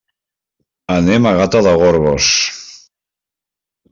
Anem a Gata de Gorgos.